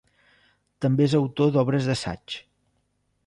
També és autor d'obres d'assaig.